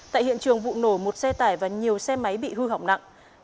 tại hiện trường vụ nổ một xe tải và nhiều xe máy bị hư hỏng nặng